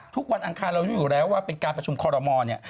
วันอังคารเรารู้อยู่แล้วว่าเป็นการประชุมคอรมอลเนี่ย